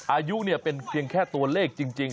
อายุเป็นเพียงแค่ตัวเลขจริง